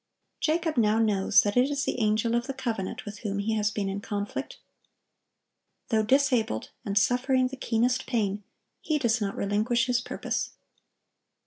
Jacob knows now that it is the Angel of the Covenant with whom he has been in conflict. Though disabled, and suffering the keenest pain, he does not relinquish his purpose.